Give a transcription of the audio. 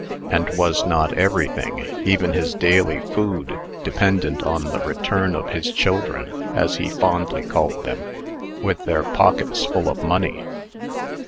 And was not everything even his daily food dependent on the return of his children, as he fondly called them, with their pockets full of money?